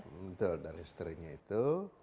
betul dari history nya itu